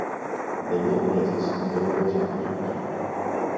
Да вот, братец, на твои глаза пошлюсь.